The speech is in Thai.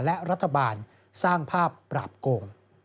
และรัฐบาลสร้างภาพปราบโกง